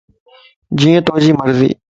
جيئي توجي مرضي